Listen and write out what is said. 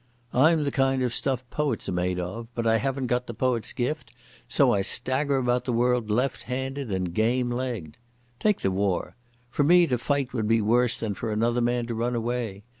I'm the kind of stuff poets are made of, but I haven't the poet's gift, so I stagger about the world left handed and game legged.... Take the war. For me to fight would be worse than for another man to run away.